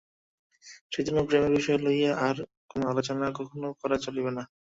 সেইজন্য প্রেমের বিষয় লইয়া কোন আলোচনা কখনও করা চলিবে না।